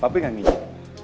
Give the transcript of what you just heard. papi enggak ngijak